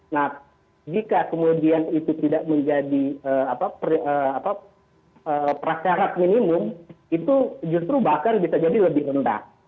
nah jika kemudian itu tidak menjadi prasyarat minimum itu justru bakar bisa jadi lebih rendah